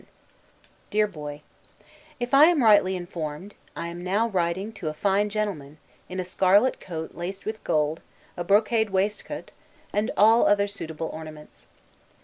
1747 DEAR BOY: If I am rightly informed, I am now writing to a fine gentleman, in a scarlet coat laced with gold, a brocade waistcoat, and all other suitable ornaments.